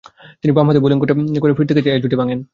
তিনি বামহাতে বোলিং করে ফিরতি ক্যাচে এ জুটি ভাঙ্গেন।